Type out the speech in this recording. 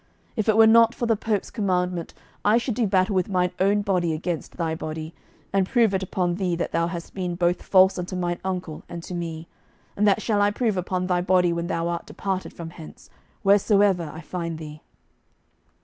If it were not for the Pope's commandment, I should do battle with mine own body against thy body, and prove it upon thee that thou hast been both false unto mine uncle and to me, and that shall I prove upon thy body when thou art departed from hence, wheresoever I find thee."